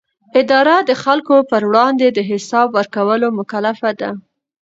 اداره د خلکو پر وړاندې د حساب ورکولو مکلفه ده.